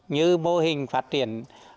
như mô hình phát triển